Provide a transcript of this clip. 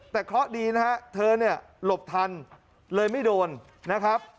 แต่เคราะห์ดีนะฮะเธอเนี่ยหลบทันเลยไม่โดนนะครับ